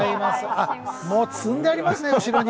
あっもう積んでありますね後ろに。